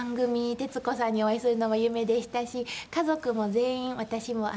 徹子さんにお会いするのも夢でしたし家族も全員私も徹子さん